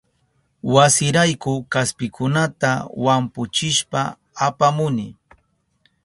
Wasirayku kaspikunata wampuchishpa apamuni.